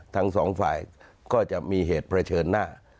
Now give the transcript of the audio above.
ทั้งสองฝ่ายก็จะมีเหตุเผชิญหน้า